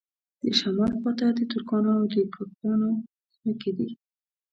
د شمال خواته د ترکانو او دېګانانو ځمکې دي.